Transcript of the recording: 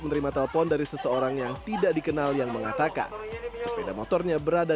menerima telepon dari seseorang yang tidak dikenal yang mengatakan sepeda motornya berada